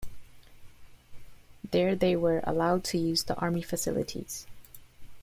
There they were allowed to use the army facilities.